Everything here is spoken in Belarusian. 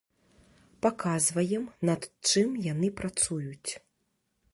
Паказваем, над чым яны працуюць.